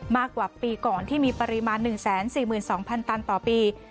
มากกว่าปีก่อนที่มีปริมาณ๑๔๒๐๐ตันต่อปี